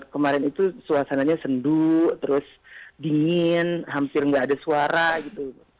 kemarin itu suasananya senduk terus dingin hampir nggak ada suara gitu